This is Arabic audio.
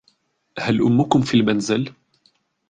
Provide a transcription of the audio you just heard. هل أمكم في المنزل ؟